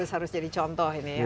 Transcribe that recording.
harus jadi contoh ini ya